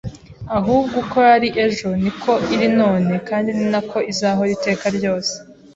ahubwo uko yari ejo ni ko iri none kandi ni na ko izahora iteka ryose.